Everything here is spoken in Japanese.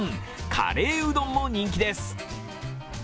カレーうどんも人気です。